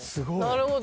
なるほど。